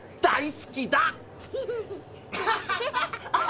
大好きだ！